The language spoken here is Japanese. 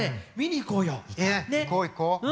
行こう行こう。